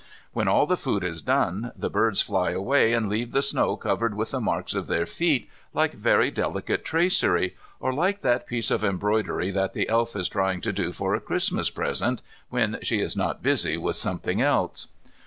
When all the food is done the birds fly away, and leave the snow covered with the marks of their feet, like very delicate tracery, or like that piece of embroidery that the Elf is trying to do for a Christmas present, when she is not busy with something else.